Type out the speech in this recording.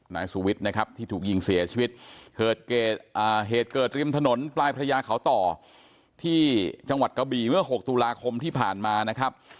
นายสุวิทย์นะครับที่ถูกยิงเสียชีวิตเหตุเกิดริมถนนปลายพระยาเขาต่อที่จังหวัดกะบี่เมื่อ๖ตุลาคมที่ผ่านมานะครับ